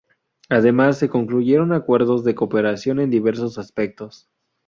Además, se concluyeron acuerdos de cooperación en diversos aspectos.